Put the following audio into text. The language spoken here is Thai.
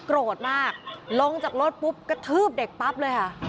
โกรธมากลงจากรถปุ๊บกระทืบเด็กปั๊บเลยค่ะ